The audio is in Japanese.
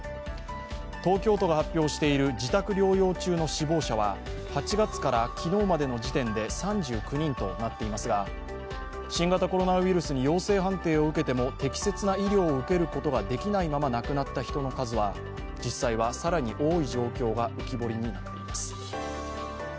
東京都が発表している自宅療養中の死亡者は、８月から昨日までの時点で３９人となっていますが新型コロナウイルスに陽性判定を受けても適切な医療を受けることができないまま亡くなった人は、実際は更に多い状況が浮き彫りになっています。